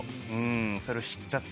それを知っちゃったんで。